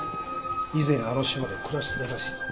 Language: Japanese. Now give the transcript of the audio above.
以前あの島で暮らしてたらしいぞ。